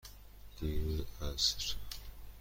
دیروز عصر.